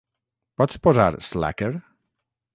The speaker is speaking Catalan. Pots posar Slacker?